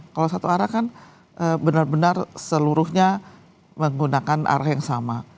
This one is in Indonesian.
kalau satu arah kan benar benar seluruhnya menggunakan arah yang sama